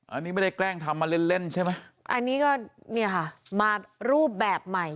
อันนี้ไม่ได้แกล้งทำมาเล่นเล่นใช่ไหมอันนี้ก็เนี่ยค่ะมารูปแบบใหม่